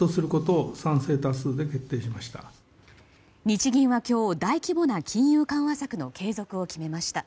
日銀は今日大規模な金融緩和策の継続を決めました。